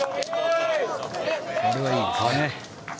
これはいいですね。